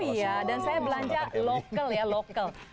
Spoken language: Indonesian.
iya dan saya belanja lokal ya lokal